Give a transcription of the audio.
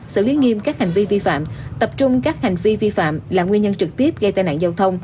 xử lý nghiêm các hành vi vi phạm tập trung các hành vi vi phạm là nguyên nhân trực tiếp gây tai nạn giao thông